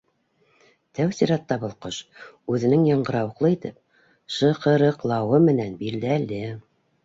Тәү сиратта, был ҡош үҙенең яңғырауыҡлы итеп шыҡырыҡлауы менән билдәле.